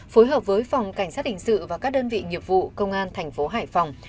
phối hợp với phòng cảnh sát hình sự và các đơn vị nghiệp vụ công an thành phố hải phòng